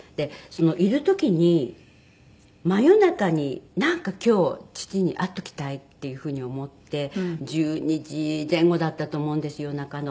いる時に真夜中になんか今日父に会っておきたいっていう風に思って１２時前後だったと思うんです夜中の。